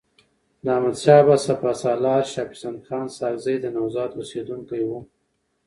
د احمدشاه بابا سپه سالارشاه پسندخان ساکزی د نوزاد اوسیدونکی وو.